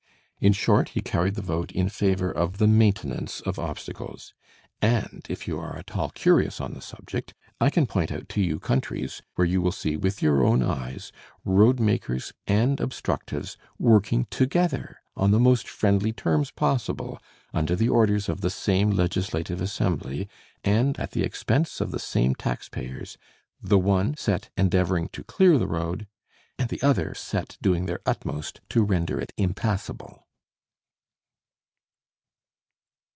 In short, he carried the vote in favor of the maintenance of obstacles; and if you are at all curious on the subject, I can point out to you countries, where you will see with your own eyes Roadmakers and Obstructives working together on the most friendly terms possible, under the orders of the same legislative assembly, and at the expense of the same taxpayers, the one set endeavoring to clear the road, and the other set doing their utmost to render it impassable.